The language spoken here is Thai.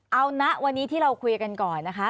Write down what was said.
เอานะวันนี้ที่เราคุยกันก่อนนะคะ